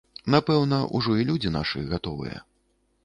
Напэўна, ужо і людзі нашы гатовыя.